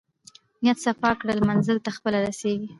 نیت صفاء کړه منزل ته خپله رسېږې.